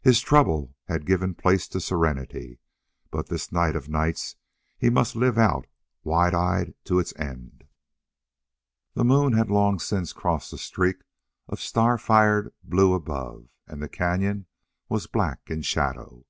His trouble had given place to serenity. But this night of nights he must live out wide eyed to its end. The moon had long since crossed the streak of star fired blue above and the cañon was black in shadow.